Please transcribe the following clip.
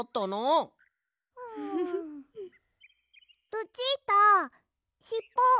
ルチータしっぽ。